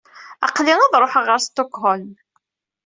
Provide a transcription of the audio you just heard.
Aql-i ad ṛuḥeɣ ɣer Stockholm.